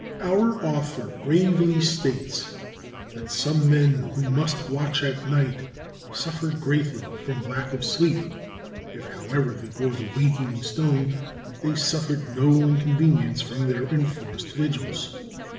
Our author gravely states that "some men who must watch at night suffer greatly from lack of sleep." If, however, they wore the "waking stone," they suffered no inconvenience from their enforced vigils.